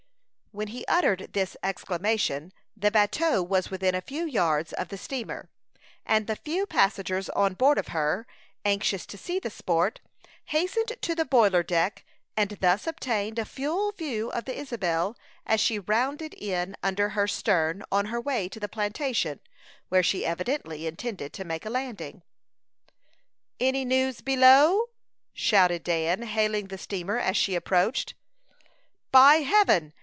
When he uttered this exclamation the bateau was within a few yards of the steamer, and the few passengers on board of her, anxious to see the sport, hastened to the boiler deck, and thus obtained a full view of the Isabel, as she rounded in under her stern, on her way to the plantation, where she evidently intended to make a landing. "Any news below?" shouted Dan, hailing the steamer as she approached. "By Heaven!